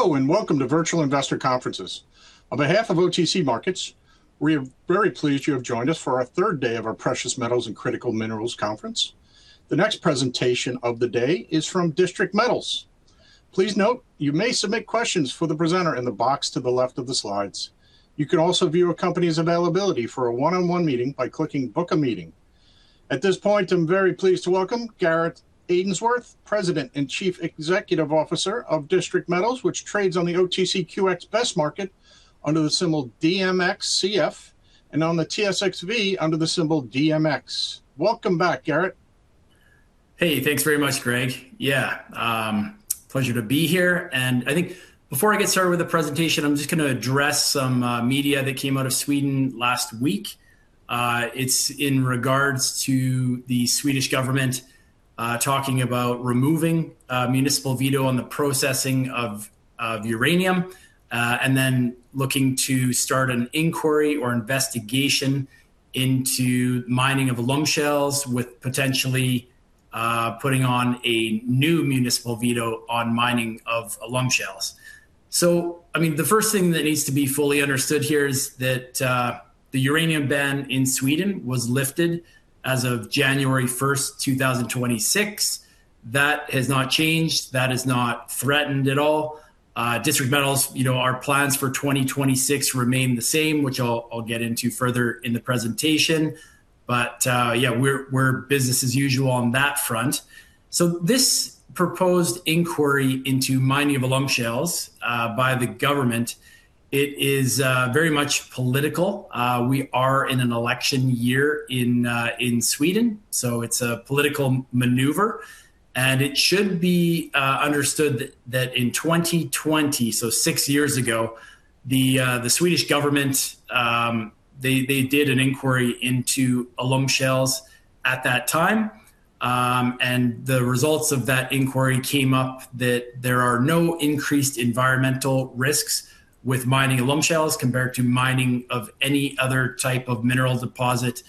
Hello, and welcome to Virtual Investor Conferences. On behalf of OTC Markets, we are very pleased you have joined us for our third day of our Precious Metals and Critical Minerals Conference. The next presentation of the day is from District Metals. Please note, you may submit questions for the presenter in the box to the left of the slides. You can also view a company's availability for a one-on-one meeting by clicking Book a Meeting. At this point, I'm very pleased to welcome Garrett Ainsworth, President and Chief Executive Officer of District Metals, which trades on the OTCQX Best Market under the symbol DMXCF, and on the TSXV under the symbol DMX. Welcome back, Garrett. Hey, thanks very much, Greg. Yeah, pleasure to be here, and I think before I get started with the presentation, I'm just gonna address some media that came out of Sweden last week. It's in regards to the Swedish government talking about removing a municipal veto on the processing of uranium and then looking to start an inquiry or investigation into mining of alum shales, with potentially putting on a new municipal veto on mining of alum shales. So, I mean, the first thing that needs to be fully understood here is that the uranium ban in Sweden was lifted as of January 1st, 2026. That has not changed. That is not threatened at all. District Metals, you know, our plans for 2026 remain the same, which I'll get into further in the presentation. But, yeah, we're business as usual on that front. So this proposed inquiry into mining of alum shale, by the government, it is, very much political. We are in an election year in, in Sweden, so it's a political maneuver, and it should be, understood that, that in 2020, so six years ago, the, the Swedish government, they did an inquiry into alum shale at that time. And the results of that inquiry came up that there are no increased environmental risks with mining alum shale compared to mining of any other type of mineral deposit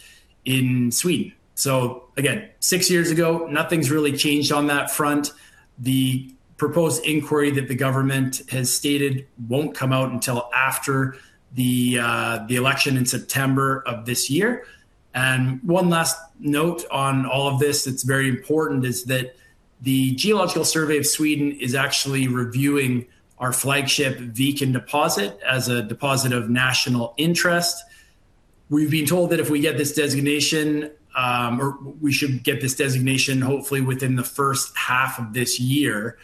in Sweden. So again, six years ago, nothing's really changed on that front. The proposed inquiry that the government has stated won't come out until after the, the election in September of this year. And one last note on all of this that's very important, is that the Geological Survey of Sweden is actually reviewing our flagship Viken Deposit as a deposit of national interest. We've been told that if we get this designation, or we should get this designation, hopefully within the first half of this year,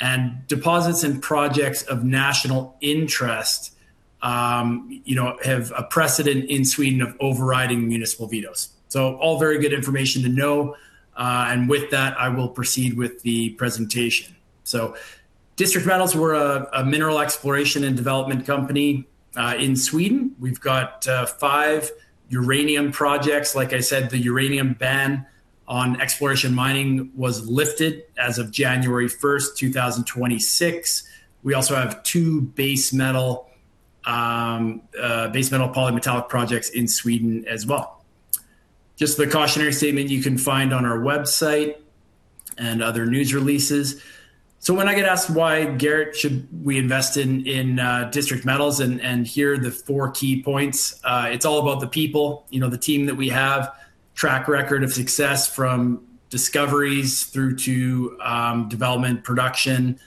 and deposits and projects of national interest, you know, have a precedent in Sweden of overriding municipal vetoes. So all very good information to know, and with that, I will proceed with the presentation. So District Metals, we're a mineral exploration and development company in Sweden. We've got five uranium projects. Like I said, the uranium ban on exploration mining was lifted as of January 1st, 2026. We also have two base metal polymetallic projects in Sweden as well. Just the cautionary statement you can find on our website and other news releases. So when I get asked, "Why Garrett, should we invest in District Metals?" And here are the four key points. It's all about the people, you know, the team that we have, track record of success from discoveries through to development, production.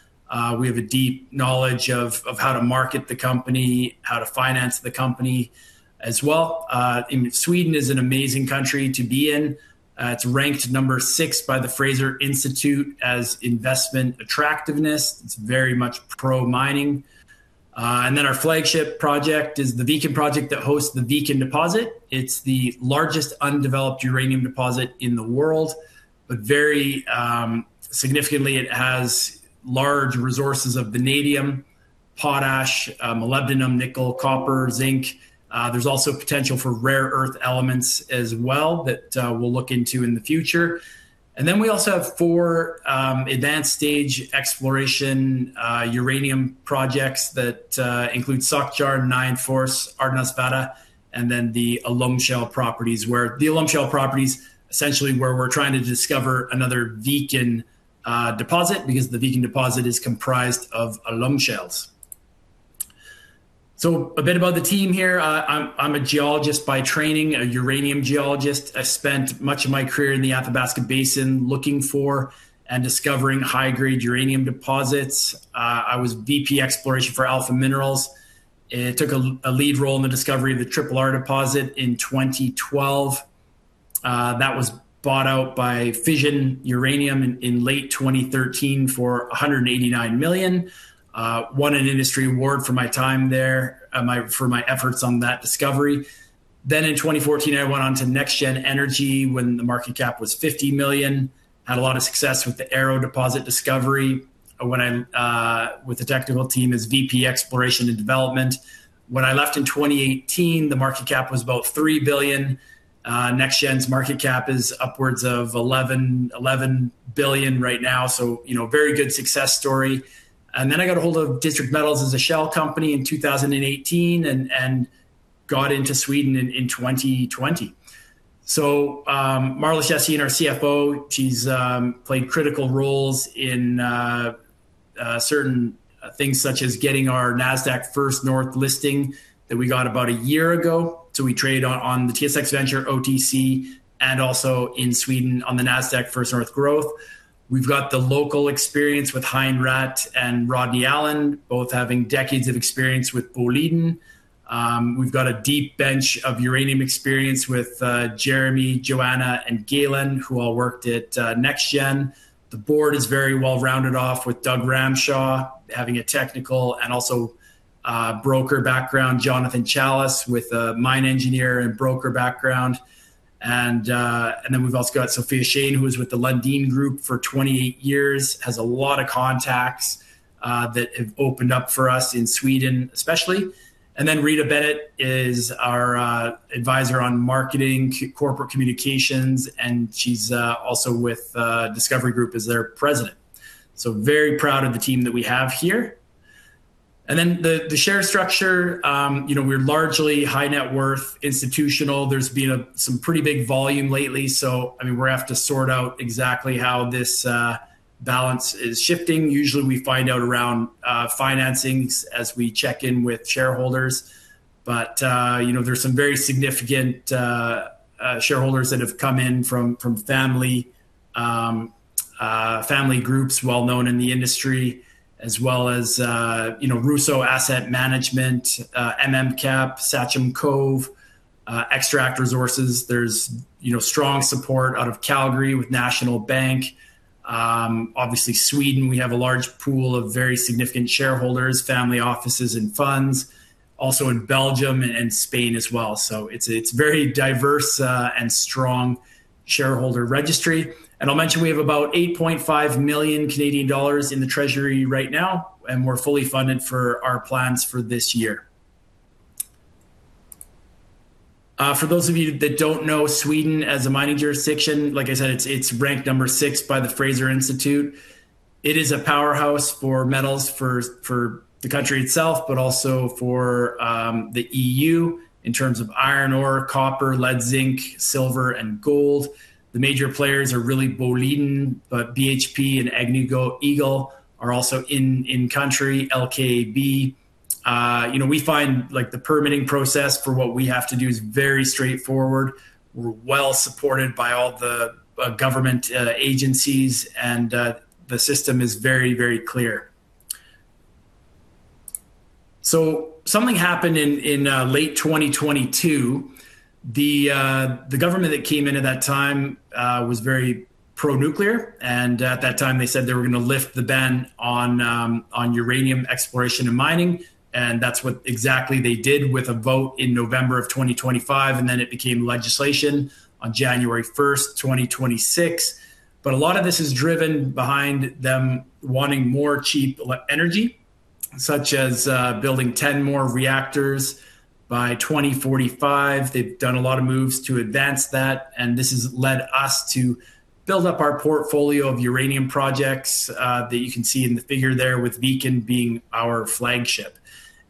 We have a deep knowledge of how to market the company, how to finance the company as well. And Sweden is an amazing country to be in. It's ranked number six by the Fraser Institute as investment attractiveness. It's very much pro-mining. And then our flagship project is the Viken Project that hosts the Viken deposit. It's the largest undeveloped uranium deposit in the world, but very significantly, it has large resources of vanadium, potash, molybdenum, nickel, copper, zinc. There's also potential for rare earth elements as well that we'll look into in the future. And then we also have four advanced stage exploration uranium projects that include Sågtjärn, Nianfors, Ardnasvarre, and then the Alum Shale properties, where the Alum Shale properties, essentially where we're trying to discover another Viken deposit, because the Viken deposit is comprised of Alum Shale. So a bit about the team here. I'm a geologist by training, a uranium geologist. I spent much of my career in the Athabasca Basin, looking for and discovering high-grade uranium deposits. I was VP Exploration for Alpha Minerals, and took a lead role in the discovery of the Triple R deposit in 2012. That was bought out by Fission Uranium in late 2013 for 189 million. Won an industry award for my time there, for my efforts on that discovery. Then in 2014, I went on to NexGen Energy when the market cap was 50 million. Had a lot of success with the Arrow Deposit discovery when I'm with the technical team as VP, Exploration and Development. When I left in 2018, the market cap was about 3 billion. NexGen's market cap is upwards of 11 billion right now, so, you know, a very good success story. Then I got a hold of District Metals as a shell company in 2018, and got into Sweden in 2020. So, Marlis Yassin, our CFO, she's played critical roles in certain things, such as getting our Nasdaq First North listing that we got about a year ago. So we trade on the TSX Venture, OTC, and also in Sweden on the Nasdaq First North Growth. We've got the local experience with Hein Raat and Rodney Allen, both having decades of experience with Boliden. We've got a deep bench of uranium experience with Jeremy, Joanna, and Galen, who all worked at NexGen. The board is very well-rounded off, with Doug Ramshaw having a technical and also broker background, Jonathan Challis, with a mine engineer and broker background. And then we've also got Sophia Shane, who was with the Lundin Group for 28 years, has a lot of contacts that have opened up for us in Sweden, especially. And then Rita Bennett is our advisor on marketing, corporate communications, and she's also with Discovery Group as their president. So very proud of the team that we have here. And then the share structure, you know, we're largely high-net-worth institutional. There's been some pretty big volume lately, so, I mean, we have to sort out exactly how this balance is shifting. Usually, we find out around financings as we check in with shareholders. But you know, there's some very significant shareholders that have come in from family family groups well known in the industry, as well as you know, Rosseau Asset Management, MMCap, Sachem Cove, Extract Resources. There's you know, strong support out of Calgary with National Bank. Obviously Sweden, we have a large pool of very significant shareholders, family offices and funds, also in Belgium and Spain as well. So it's a, it's very diverse and strong shareholder registry. I'll mention we have about 8.5 million Canadian dollars in the treasury right now, and we're fully funded for our plans for this year. For those of you that don't know Sweden as a mining jurisdiction, like I said, it's ranked number 6 by the Fraser Institute. It is a powerhouse for metals, for the country itself, but also for the EU in terms of iron ore, copper, lead, zinc, silver, and gold. The major players are really Boliden, but BHP and Agnico Eagle are also in country, LKAB. You know, we find, like, the permitting process for what we have to do is very straightforward. We're well supported by all the government agencies, and the system is very, very clear. So something happened in late 2022. The government that came in at that time was very pro-nuclear, and at that time, they said they were gonna lift the ban on on uranium exploration and mining, and that's what exactly they did with a vote in November of 2025, and then it became legislation on January 1st, 2026. But a lot of this is driven behind them wanting more cheap energy, such as building 10 more reactors by 2045. They've done a lot of moves to advance that, and this has led us to build up our portfolio of uranium projects that you can see in the figure there, with Viken being our flagship.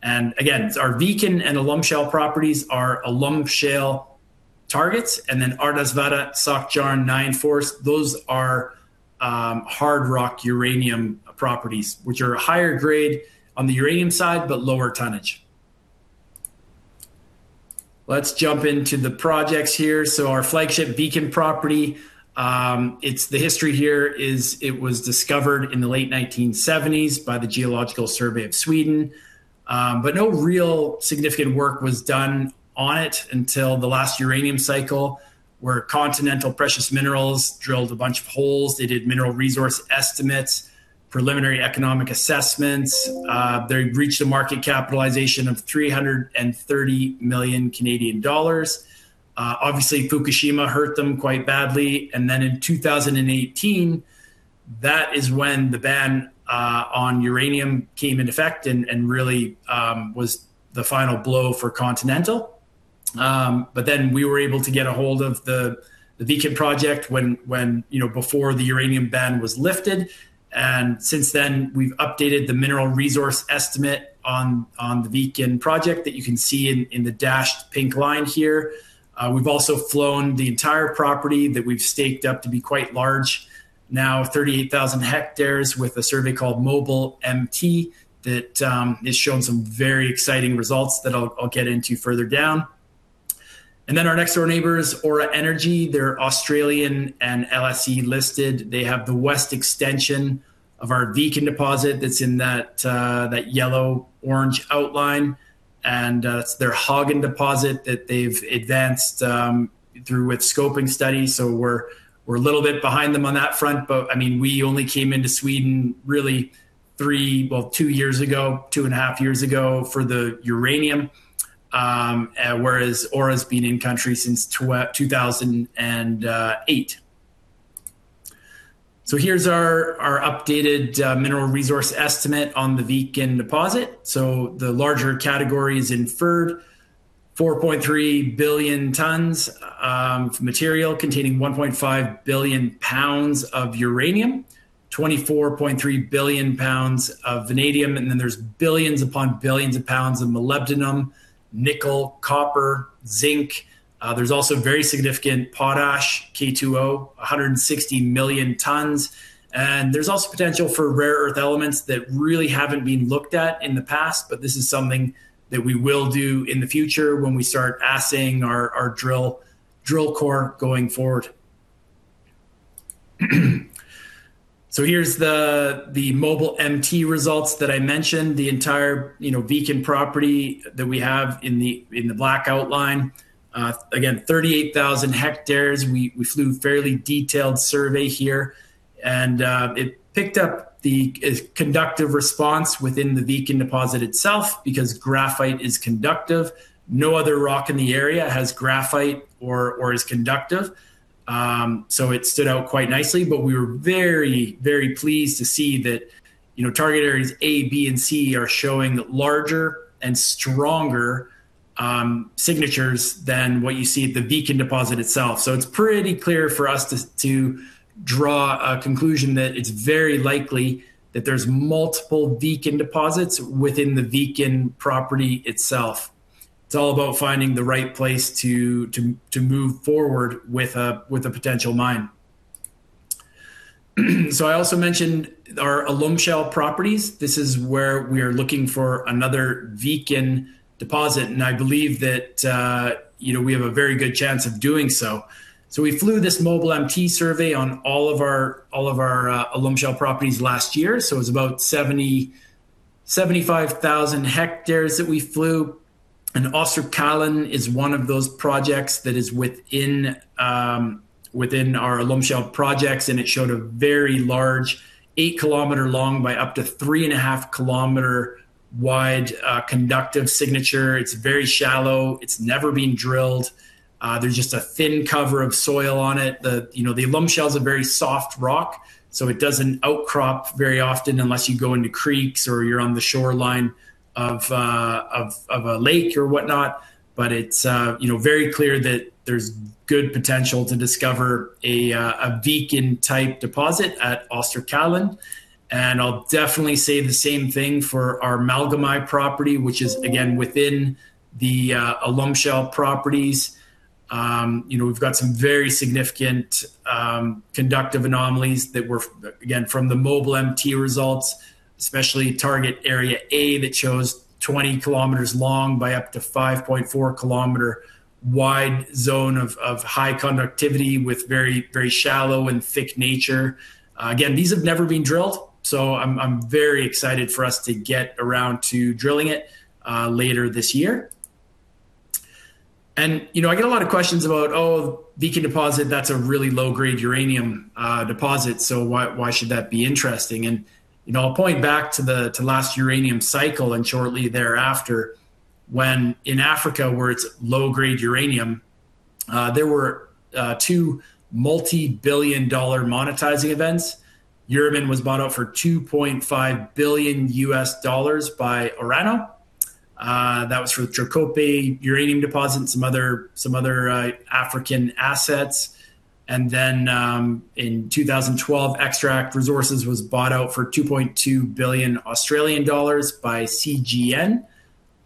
And again, our Viken and Alum Shale properties are alum shale targets, and then Ardnasvarre, Sågtjärn, Nianfors, those are hard rock uranium properties, which are higher grade on the uranium side, but lower tonnage. Let's jump into the projects here. So our flagship Viken property, it's... The history here is it was discovered in the late 1970s by the Geological Survey of Sweden, but no real significant work was done on it until the last uranium cycle, where Continental Precious Minerals drilled a bunch of holes. They did mineral resource estimates, preliminary economic assessments. They reached a market capitalization of 330 million Canadian dollars. Obviously, Fukushima hurt them quite badly, and then in 2018, that is when the ban on uranium came into effect and really was the final blow for Continental. But then we were able to get a hold of the Viken project when, you know, before the uranium ban was lifted, and since then, we've updated the mineral resource estimate on the Viken project that you can see in the dashed pink line here. We've also flown the entire property that we've staked up to be quite large. Now, 38,000 hectares with a survey called MobileMT that has shown some very exciting results that I'll get into further down. And then our next-door neighbors, Aura Energy, they're Australian and LSE listed. They have the west extension of our Viken deposit that's in that yellow-orange outline, and it's their Häggån deposit that they've advanced through with scoping studies. So we're a little bit behind them on that front, but, I mean, we only came into Sweden really three, well, two years ago, 2.5 years ago for the uranium, whereas Aura's been in country since 2008. So here's our updated mineral resource estimate on the Viken deposit. So the larger category is inferred, 4.3 billion tons material containing 1.5 billion pounds of uranium, 24.3 billion pounds of vanadium, and then there's billions upon billions of pounds of molybdenum, nickel, copper, zinc. There's also very significant potash, K2O, 160 million tons, and there's also potential for rare earth elements that really haven't been looked at in the past, but this is something that we will do in the future when we start assaying our drill core going forward. So here's the mobile MT results that I mentioned, the entire, you know, Viken property that we have in the black outline. Again, 38,000 hectares. We flew fairly detailed survey here, and it picked up the conductive response within the Viken deposit itself because graphite is conductive. No other rock in the area has graphite or is conductive, so it stood out quite nicely. But we were very, very pleased to see that, you know, target areas A, B, and C are showing larger and stronger signatures than what you see at the Viken deposit itself. So it's pretty clear for us to draw a conclusion that it's very likely that there's multiple Viken deposits within the Viken property itself. It's all about finding the right place to move forward with a potential mine. So I also mentioned our Alum Shale properties. This is where we are looking for another Viken deposit, and I believe that, you know, we have a very good chance of doing so. So we flew this MobileMT survey on all of our Alum Shale properties last year. So it's about 70,000-75,000 hectares that we flew, and Österkälen is one of those projects that is within our Alum Shale projects, and it showed a very large 8 km long by up to 3.5 km wide conductive signature. It's very shallow. It's never been drilled. There's just a thin cover of soil on it. You know, the Alum Shale is a very soft rock, so it doesn't outcrop very often unless you go into creeks or you're on the shoreline of a lake or whatnot. But you know, very clear that there's good potential to discover a Viken-type deposit at Österkälen, and I'll definitely say the same thing for our Tåsjö property, which is, again, within the Alum Shale properties. You know, we've got some very significant, conductive anomalies that were, again, from the mobile MT results, especially target area A, that shows 20 kilometers long by up to 5.4 kilometer wide zone of high conductivity with very, very shallow and thick nature. Again, these have never been drilled, so I'm very excited for us to get around to drilling it, later this year. You know, I get a lot of questions about, "Oh, Viken deposit, that's a really low-grade uranium, deposit, so why, why should that be interesting?" You know, I'll point back to the last uranium cycle and shortly thereafter, when in Africa, where it's low-grade uranium, there were two multi-billion-dollar monetizing events. Uramin was bought out for $2.5 billion by Orano. That was for Trekkopje uranium deposit and some other, some other, African assets. And then, in 2012, Extract Resources was bought out for 2.2 billion Australian dollars by CGN,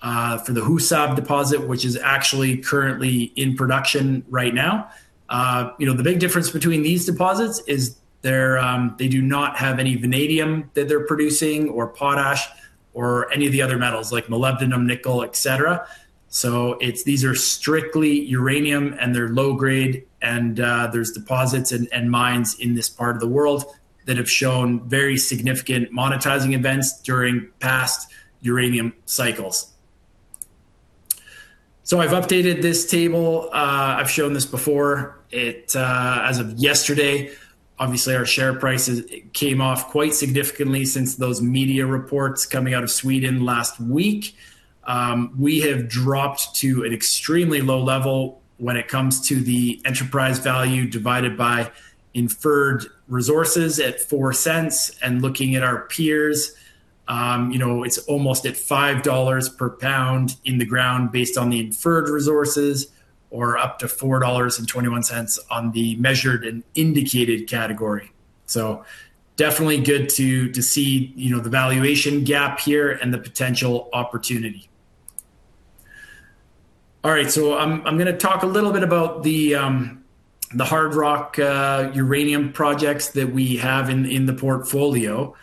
for the Husab deposit, which is actually currently in production right now. You know, the big difference between these deposits is they're, they do not have any vanadium that they're producing, or potash, or any of the other metals, like molybdenum, nickel, et cetera. So it's... These are strictly uranium, and they're low grade, and, there's deposits and mines in this part of the world that have shown very significant monetizing events during past uranium cycles. So I've updated this table. I've shown this before. As of yesterday, obviously, our share prices came off quite significantly since those media reports coming out of Sweden last week. We have dropped to an extremely low level when it comes to the enterprise value divided by inferred resources at $0.04. And looking at our peers, you know, it's almost at $5 per pound in the ground based on the inferred resources, or up to $4.21 on the measured and indicated category. So definitely good to see, you know, the valuation gap here and the potential opportunity. All right, so I'm gonna talk a little bit about the hard rock uranium projects that we have in the portfolio.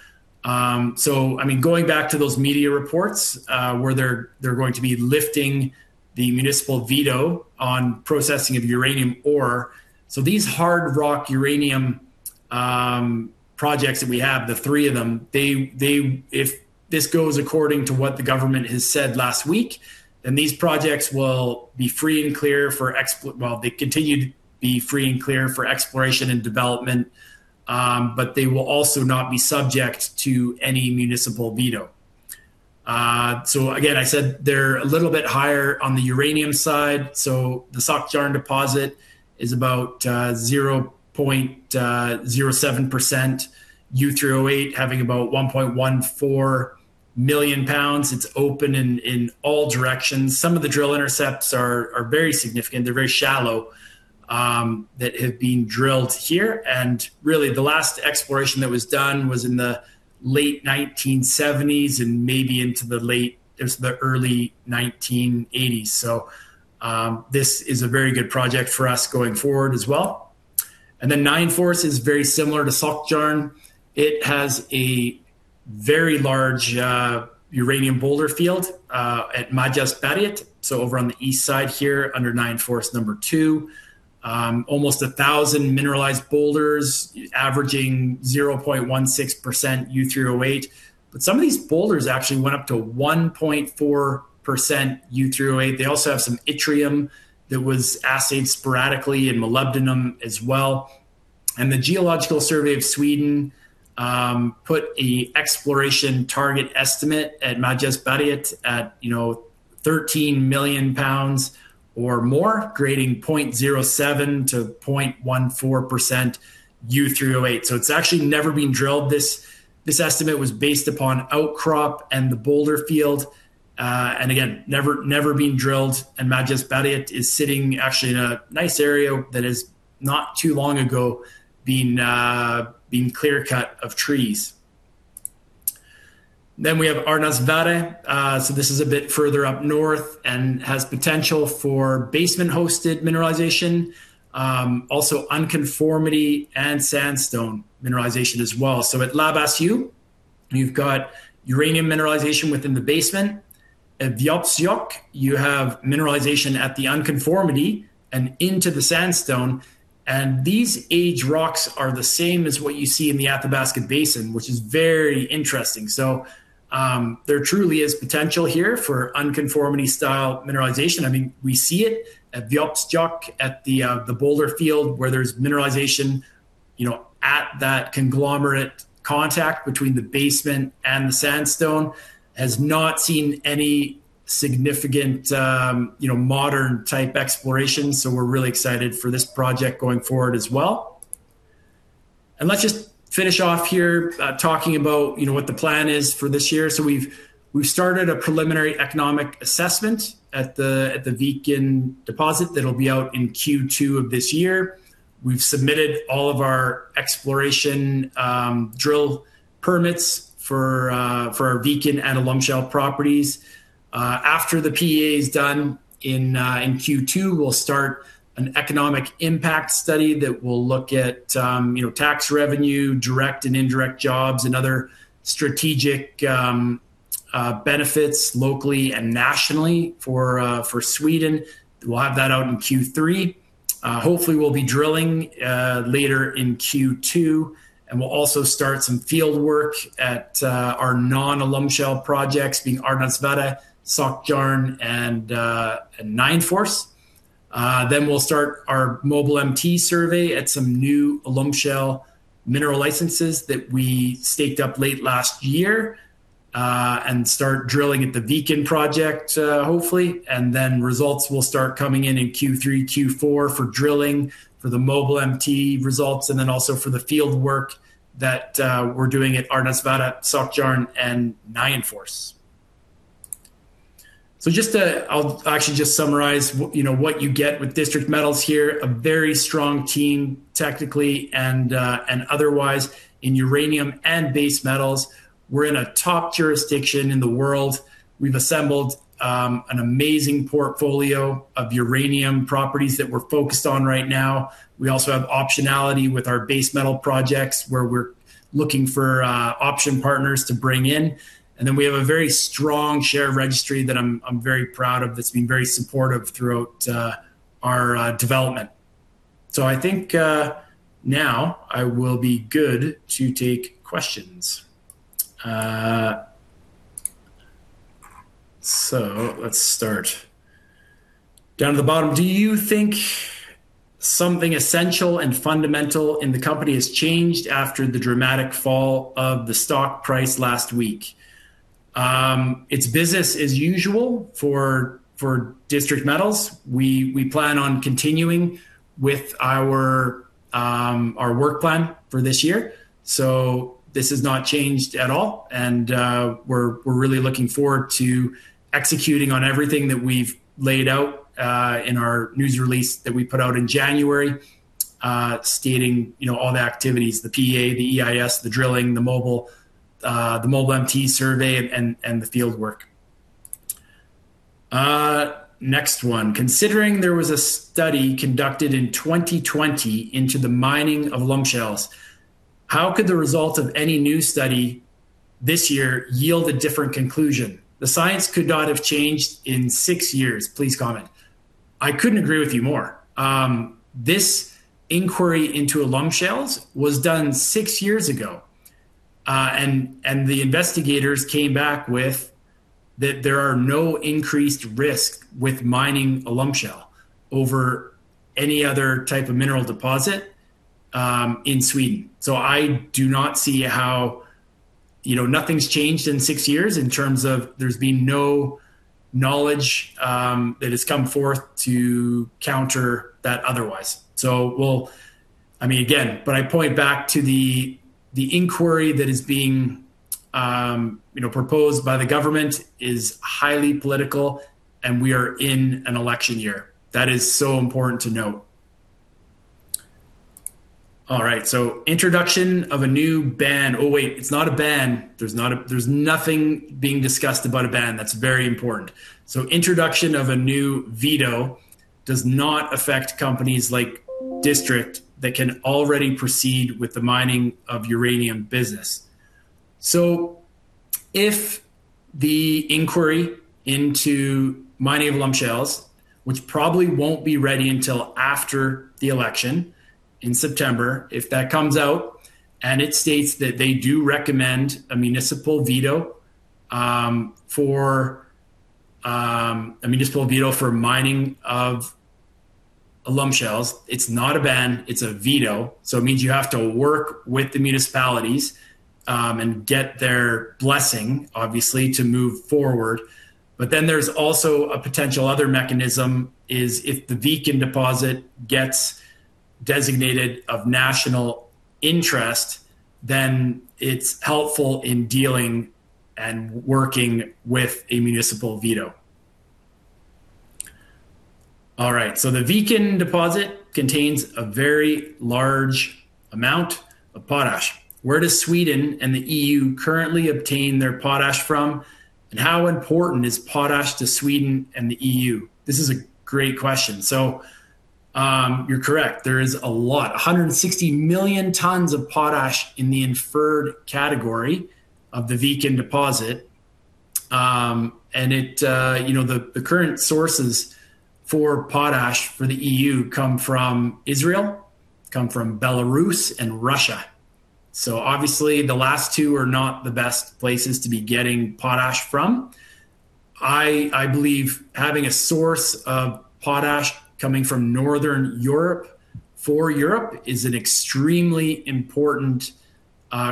So, I mean, going back to those media reports, where they're going to be lifting the Municipal Veto on processing of uranium ore. So these hard rock uranium projects that we have, the three of them, if this goes according to what the government has said last week, then these projects will be free and clear for exploration and development, but they will also not be subject to any Municipal Veto. So again, I said they're a little bit higher on the uranium side. So the Sågtjärn deposit is about 0.07% U3O8, having about 1.14 million pounds. It's open in all directions. Some of the drill intercepts are very significant. They're very shallow, that have been drilled here, and really, the last exploration that was done was in the late 1970s and into the early 1980s. So, this is a very good project for us going forward as well. And then Nianfors is very similar to Sågtjärn. It has a very large, uranium boulder field, at Majsvarvet, so over on the east side here under Nianfors number two. Almost 1,000 mineralized boulders, averaging 0.16% U3O8. But some of these boulders actually went up to 1.4% U3O8. They also have some yttrium that was assayed sporadically, and molybdenum as well. And the Geological Survey of Sweden put an exploration target estimate at Majsvarvet at, you know, 13 million pounds or more, grading 0.07%-0.14% U3O8. So it's actually never been drilled. This, this estimate was based upon outcrop and the boulder field, and again, never, never been drilled, and Majsvarvet is sitting actually in a nice area that is not too long ago, being, being clear-cut of trees. Then we have Ardnasvarre. So this is a bit further up north and has potential for basement-hosted mineralization, also unconformity and sandstone mineralization as well. So at Labbsjö, you've got uranium mineralization within the basement. At Vuobsjåkk, you have mineralization at the unconformity and into the sandstone, and these age rocks are the same as what you see in the Athabasca Basin, which is very interesting. So, there truly is potential here for unconformity style mineralization. I mean, we see it at Vuobsjåkk, at the boulder field, where there's mineralization, you know, at that conglomerate contact between the basement and the sandstone. Has not seen any significant, you know, modern-type exploration, so we're really excited for this project going forward as well. And let's just finish off here, talking about, you know, what the plan is for this year. So we've started a preliminary economic assessment at the Viken Deposit that'll be out in Q2 of this year. We've submitted all of our exploration drill permits for our Viken and Alum Shale Properties. After the PEA is done in Q2, we'll start an Economic Impact Study that will look at, you know, tax revenue, direct and indirect jobs, and other strategic benefits locally and nationally for Sweden. We'll have that out in Q3. Hopefully, we'll be drilling later in Q2, and we'll also start some field work at our non-alum shale projects, being Ardnasvarre, Sågtjärn, and Nianfors. Then we'll start our MobileMT survey at some new alum shale mineral licenses that we staked up late last year, and start drilling at the Viken project, hopefully, and then results will start coming in in Q3, Q4 for drilling, for the MobileMT results, and then also for the field work that we're doing at Ardnasvarre, Sågtjärn, and Nianfors. So just to... I'll actually just summarize what, you know, what you get with District Metals here, a very strong team, technically and, and otherwise, in uranium and base metals. We're in a top jurisdiction in the world. We've assembled an amazing portfolio of uranium properties that we're focused on right now. We also have optionality with our base metal projects, where we're looking for option partners to bring in, and then we have a very strong share registry that I'm very proud of, that's been very supportive throughout our development. So I think now I will be good to take questions. So let's start. Down at the bottom: Do you think something essential and fundamental in the company has changed after the dramatic fall of the stock price last week? It's business as usual for District Metals. We plan on continuing with our work plan for this year, so this has not changed at all, and we're really looking forward to executing on everything that we've laid out in our news release that we put out in January, stating, you know, all the activities, the PEA, the EIS, the drilling, the MobileMT survey, and the field work. Next one. Considering there was a study conducted in 2020 into the mining of alum shales, how could the result of any new study this year yield a different conclusion? The science could not have changed in six years. Please comment. I couldn't agree with you more. This inquiry into Alum Shales was done six years ago, and, and the investigators came back with, that there are no increased risk with mining Alum Shale over any other type of mineral deposit, in Sweden. So I do not see how, you know, nothing's changed in six years in terms of there's been no knowledge, that has come forth to counter that otherwise. So we'll, I mean, again, but I point back to the, the inquiry that is being, you know, proposed by the government is highly political, and we are in an election year. That is so important to note. All right, so introduction of a new ban. Oh, wait, it's not a ban. There's not a, there's nothing being discussed about a ban. That's very important. So introduction of a new veto does not affect companies like District that can already proceed with the mining of uranium business. So if the inquiry into mining of alum shale, which probably won't be ready until after the election in September, if that comes out, and it states that they do recommend a municipal veto, for a municipal veto for mining of alum shale, it's not a ban, it's a veto, so it means you have to work with the municipalities, and get their blessing, obviously, to move forward. But then there's also a potential other mechanism is if the Viken Deposit gets designated of national interest, then it's helpful in dealing and working with a municipal veto. All right, so the Viken Deposit contains a very large amount of potash. Where does Sweden and the EU currently obtain their potash from? And how important is potash to Sweden and the EU? This is a great question. So, you're correct. There is a lot, 160 million tons of potash in the inferred category of the Viken deposit. And it, you know, the current sources for potash for the EU come from Israel, come from Belarus and Russia. So obviously, the last two are not the best places to be getting potash from. I believe having a source of potash coming from Northern Europe, for Europe is an extremely important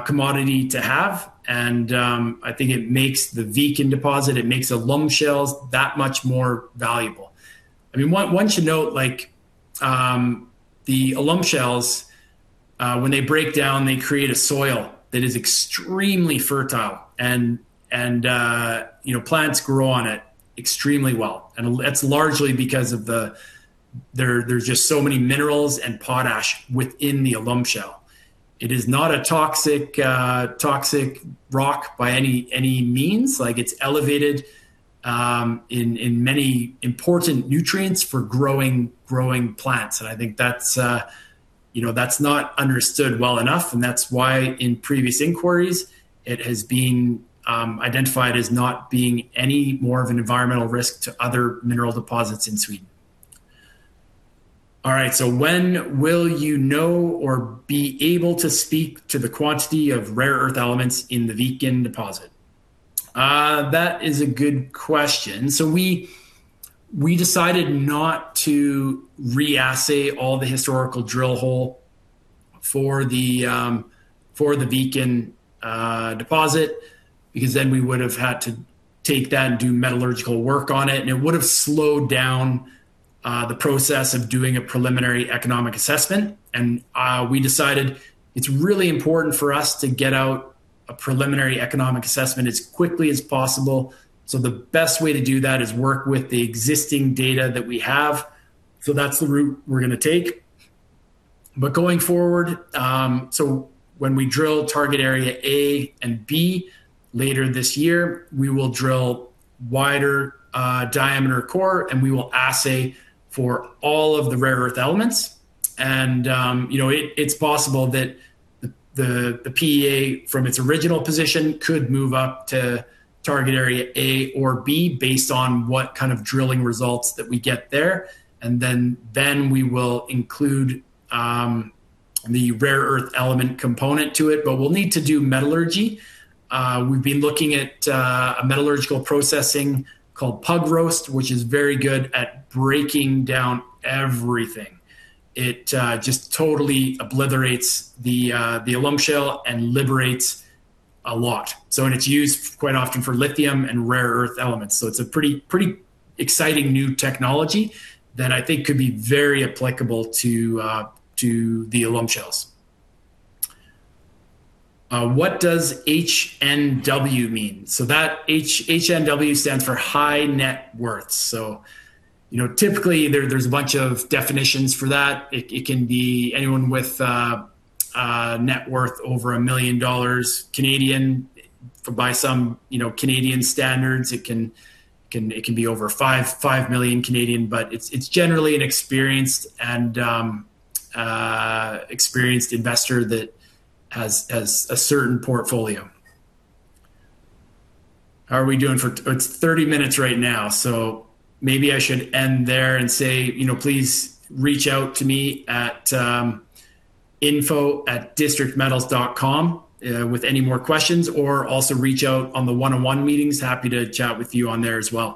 commodity to have, and I think it makes the Viken deposit, it makes alum shale that much more valuable. I mean, one should note, like, the alum shales, when they break down, they create a soil that is extremely fertile and, and, you know, plants grow on it extremely well, and it's largely because of the, there's just so many minerals and potash within the alum shale. It is not a toxic, toxic rock by any, any means, like it's elevated, in, in many important nutrients for growing, growing plants. And I think that's, you know, that's not understood well enough, and that's why in previous inquiries, it has been, identified as not being any more of an environmental risk to other mineral deposits in Sweden. All right, so when will you know or be able to speak to the quantity of rare earth elements in the Viken Deposit? That is a good question. So we decided not to re-assay all the historical drill hole for the Viken Deposit, because then we would have had to take that and do metallurgical work on it, and it would have slowed down the process of doing a preliminary economic assessment. And we decided it's really important for us to get out a preliminary economic assessment as quickly as possible. So the best way to do that is work with the existing data that we have. So that's the route we're gonna take. But going forward, so when we drill target area A and B later this year, we will drill wider diameter core, and we will assay for all of the rare earth elements. You know, it's possible that the PEA from its original position could move up to target area A or B, based on what kind of drilling results that we get there. Then we will include the rare earth element component to it, but we'll need to do metallurgy. We've been looking at a metallurgical processing called Pug Roast, which is very good at breaking down everything. It just totally obliterates the alum shale and liberates a lot. So it's used quite often for lithium and rare earth elements. So it's a pretty exciting new technology that I think could be very applicable to the alum shales. What does HNW mean? So that HNW stands for high net worth. So, you know, typically, there's a bunch of definitions for that. It can be anyone with net worth over 1 million dollars. By some, you know, Canadian standards, it can be over 5 million, but it's generally an experienced and experienced investor that has a certain portfolio. How are we doing for... It's 30 minutes right now, so maybe I should end there and say, you know, please reach out to me at info@districtmetals.com with any more questions, or also reach out on the one-on-one meetings. Happy to chat with you on there as well.